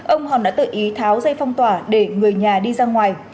ông hòn đã tự ý tháo dây phong tỏa để người nhà đi ra ngoài